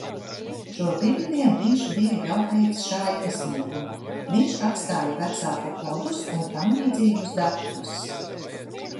Šopirmdien viņš bija jau pēc šā iesnieguma, viņš atstāja vecāku kodus un tamlīdzīgus datus.